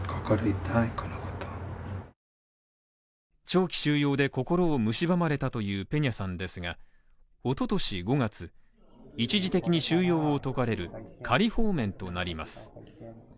長期収容で心をむしばまれたというペニャさんですが、一昨年５月一時的に収容を解かれる仮放免となります。